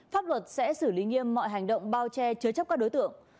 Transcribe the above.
pháp luật sẽ xử lý nghiêm mọi hành động bao che chứa chấp các đối tượng